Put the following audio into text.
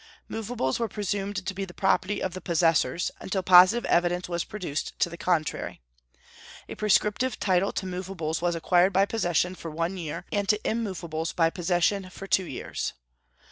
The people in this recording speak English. Movables were presumed to be the property of the possessors, until positive evidence was produced to the contrary. A prescriptive title to movables was acquired by possession for one year, and to immovables by possession for two years.